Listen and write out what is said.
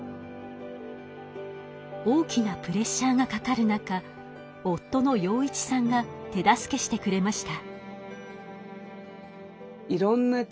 大きなプレッシャーがかかる中夫の陽一さんが手助けしてくれました。